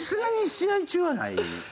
試合中はないです。